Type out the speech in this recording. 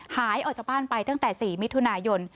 หายออกจากบ้านไปตั้งแต่๔มิถุนายน